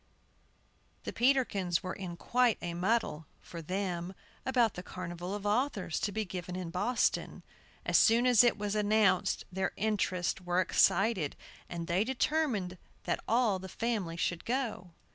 THE Peterkins were in quite a muddle (for them) about the carnival of authors, to be given in Boston. As soon as it was announced, their interests were excited, and they determined that all the family should go.